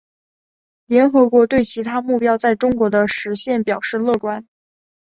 联合国对其他目标在中国的实现表示乐观。